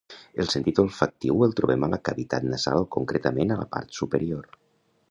El sentit olfactiu el trobem a la cavitat nasal concretament a la part superior